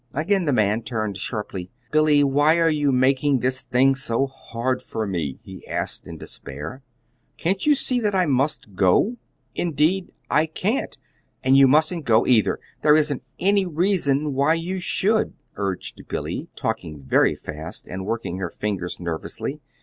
Again the man turned sharply. "Billy, why are you making this thing so hard for me?" he asked in despair. "Can't you see that I must go?" "Indeed, I can't. And you mustn't go, either. There isn't any reason why you should," urged Billy, talking very fast, and working her fingers nervously.